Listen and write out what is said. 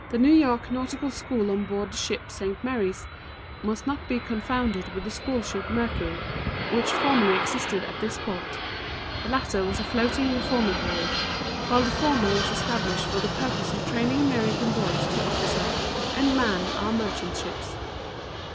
] The New York Nautical School on board the ship St. Mary's must not be confounded with the school ship Mercury, which formerly existed at this port; the latter was a floating reformatory, while the former was established for the purpose of training American boys to officer and man our merchant ships.